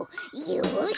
よし！